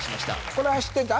これは知ってた？